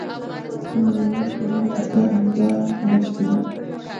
د نړیوالې ټولنې اړتیا همدا مرستې دي.